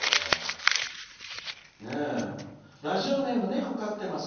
ラジオネームねこかってます。